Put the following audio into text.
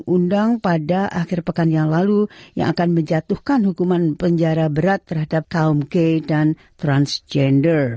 diundang pada akhir pekan yang lalu yang akan menjatuhkan hukuman penjara berat terhadap kaum g dan transgender